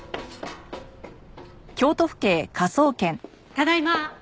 ただいま。